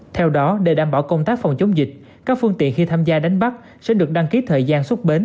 theo đó để đảm bảo công tác phòng chống dịch các phương tiện khi tham gia đánh bắt sẽ được đăng ký thời gian xuất bến